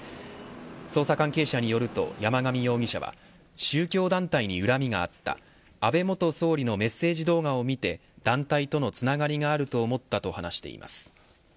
捜査関係者によると山上容疑者は宗教団体に恨みがあった安倍元総理のメッセージ動画を見て団体とのつながりがあると思ったと話しています。